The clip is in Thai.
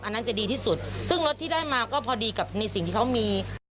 อันนั้นจะดีที่สุดซึ่งรถที่ได้มาก็พอดีกับในสิ่งที่เขามีอ่า